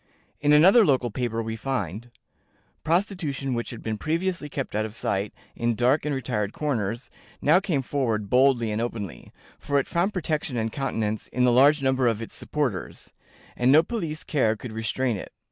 In another local paper we find: "Prostitution, which had previously kept out of sight in dark and retired corners, now came forward boldly and openly; for it found protection and countenance in the large number of its supporters, and no police care could restrain it.